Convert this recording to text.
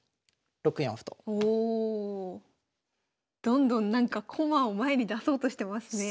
どんどんなんか駒を前に出そうとしてますね。